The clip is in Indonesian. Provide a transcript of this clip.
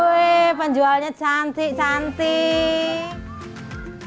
wih penjualnya cantik cantik